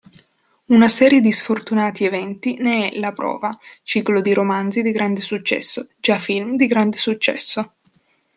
Una serie di sfortunati eventi ne è la prova: ciclo di romanzi di grande successo, già film di grande successo.